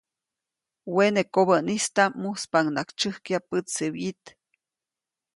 Wene kobädaʼm muspaʼuŋnaʼajk tsyäjkya pätse wyit.